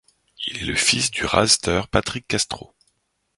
Il est le fils du raseteur Patrick Castro.